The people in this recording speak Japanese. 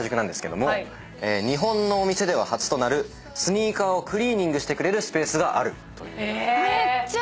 日本のお店では初となるスニーカーをクリーニングしてくれるスペースがあるという。